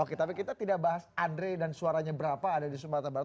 oke tapi kita tidak bahas andre dan suaranya berapa ada di sumatera barat